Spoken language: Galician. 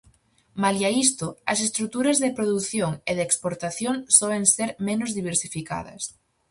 Malia isto, as estruturas de produción e de exportación soen ser menos diversificadas.